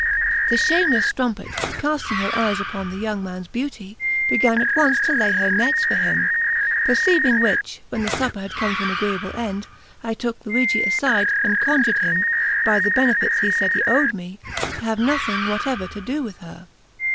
The shameless strumpet, casting her eyes upon the young man's beauty, began at once to lay her nets for him; perceiving which, when the supper had come to an agreeable end, I took Luigi aside, and conjured him, by the benefits he said he owed me, to have nothing whatever to do with her.